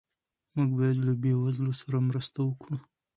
موږ باید له بې وزلو سره مرسته وکړو.